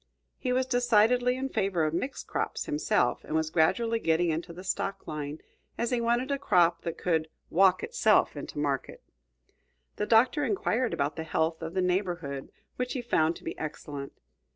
He was decidedly in favor of mixed crops, himself, and was gradually getting into the stock line, as he wanted a crop that could "walk itself into market." The Doctor inquired about the health of the neighborhood, which he found to be excellent.